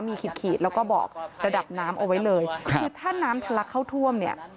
มีขีดแล้วก็บอกระดับน้ำเอาไว้เลยคือถ้าน้ำทะละเข้าท่วม